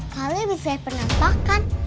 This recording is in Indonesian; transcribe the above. kali abis liat penampakan